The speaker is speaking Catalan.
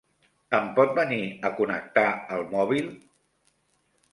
Em pot venir a connectar el mòbil?